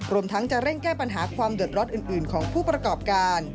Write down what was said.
ทั้งจะเร่งแก้ปัญหาความเดือดร้อนอื่นของผู้ประกอบการ